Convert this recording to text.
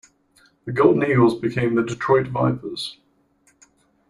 The Golden Eagles became the Detroit Vipers.